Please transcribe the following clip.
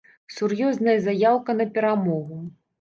Сур'ёзная заяўка на перамогу.